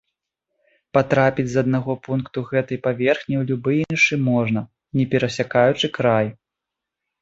Патрапіць з аднаго пункту гэтай паверхні ў любы іншы можна, не перасякаючы край.